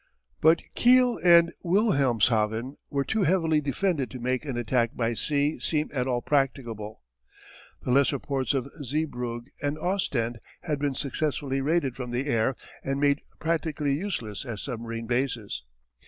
But Kiel and Wilhelmshaven were too heavily defended to make an attack by sea seem at all practicable. The lesser ports of Zeebrugge and Ostend had been successfully raided from the air and made practically useless as submarine bases.